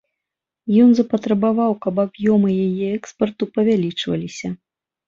Ён запатрабаваў, каб аб'ёмы яе экспарту павялічваліся.